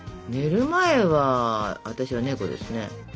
寝る前は私は猫ですね。